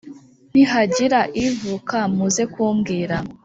Ntihagira ivuka muze kumbwira